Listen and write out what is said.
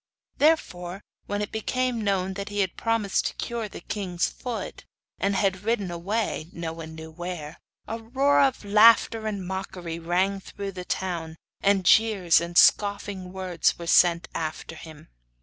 Therefore, when it became known that he had promised to cure the king's foot, and had ridden away no one knew where a roar of laughter and mockery rang through the town, and jeers and scoffing words were sent after him.